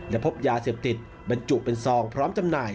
และพบยาเสพติดบรรจุเป็นซองพร้อมจำหน่าย